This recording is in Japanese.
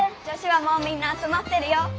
女子はもうみんなあつまってるよ。